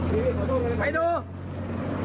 ไปมึงไปดู